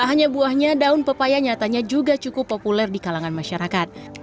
tak hanya buahnya daun pepaya nyatanya juga cukup populer di kalangan masyarakat